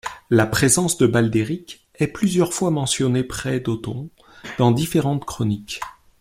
La présence de Baldéric est plusieurs fois mentionnée près d'Othon dans différentes chroniques.